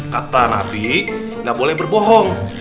kata nanti gak boleh berbohong